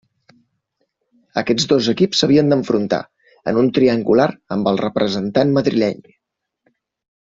Aquests dos equips s'havien d'enfrontar, en un triangular amb el representant madrileny.